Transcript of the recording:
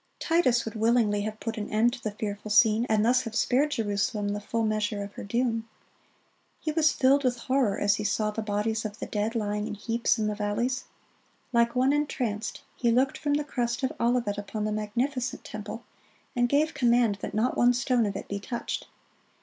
(45) Titus would willingly have put an end to the fearful scene, and thus have spared Jerusalem the full measure of her doom. He was filled with horror as he saw the bodies of the dead lying in heaps in the valleys. Like one entranced, he looked from the crest of Olivet upon the magnificent temple, and gave command that not one stone of it be touched.